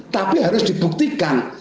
tapi harus dibuktikan